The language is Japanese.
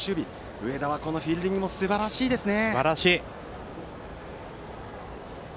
上田はこのフィールディングもすばらしいですね。